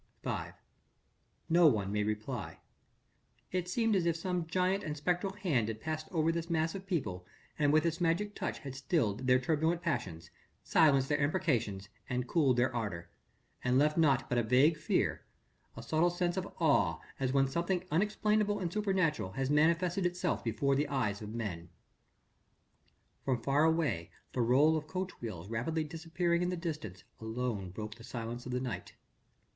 V No one made reply. It seemed as if some giant and spectral hand had passed over this mass of people and with its magic touch had stilled their turbulent passions, silenced their imprecations and cooled their ardour and left naught but a vague fear, a subtle sense of awe as when something unexplainable and supernatural has manifested itself before the eyes of men. From far away the roll of coach wheels rapidly disappearing in the distance alone broke the silence of the night.